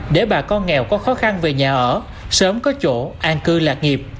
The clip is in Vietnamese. để bà con nghèo có khó khăn về nhà ở sớm có chỗ an cư lạc nghiệp